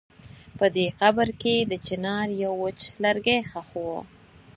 په دې قبر کې د چنار يو وچ لرګی ښخ و.